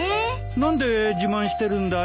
何で自慢してるんだい？